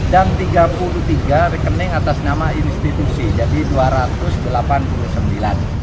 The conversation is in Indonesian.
dan tiga puluh tiga rekening atas nama institusi jadi dua ratus delapan puluh sembilan